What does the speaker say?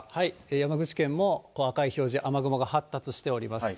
山口県も赤い表示、雨雲が発達しています。